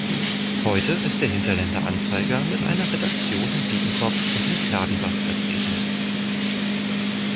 Heute ist der "Hinterländer Anzeiger" mit einer Redaktion in Biedenkopf und in Gladenbach vertreten.